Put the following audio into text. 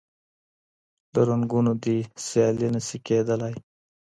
له رنګونو دي سیالي نه سي کېدلای